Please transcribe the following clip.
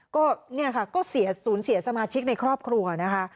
ก็เนี่ยค่ะก็สูญเสียสมาชิกในครอบครัวนะคะ